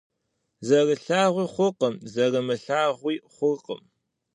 Зэрылъагъуи хъуркъым, зэрымылъагъууи хъуркъым.